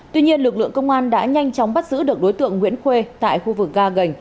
tuy nhiên lực lượng công an đã nhanh chóng bắt giữ được đối tượng nguyễn khuê tại khu vực ga gành